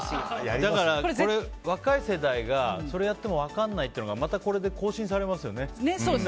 だから若い世代がそれやっても分からないというのがまたこれで更新されますよね。